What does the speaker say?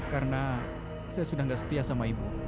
karena saya sudah gak setia sama ibu